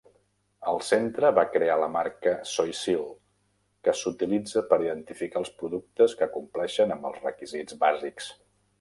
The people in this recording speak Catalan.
El centre va crear la marca SoySeal, que s'utilitza per identificar els productes que compleixen amb els requisits bàsics.